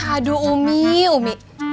aduh umi umi